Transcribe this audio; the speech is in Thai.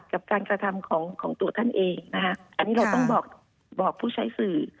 กับการกระทำของของตัวท่านเองนะคะอันนี้เราต้องบอกบอกผู้ใช้สื่อ